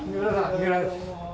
⁉三浦です。